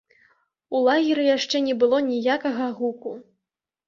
У лагеры яшчэ не было ніякага гуку.